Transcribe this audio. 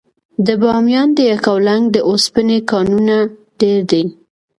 د بامیان د یکاولنګ د اوسپنې کانونه ډیر دي.